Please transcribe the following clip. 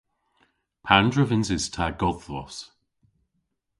Pandr'a vynses ta godhvos?